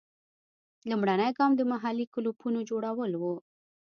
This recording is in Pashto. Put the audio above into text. لومړنی ګام د محلي کلوپونو جوړول وو.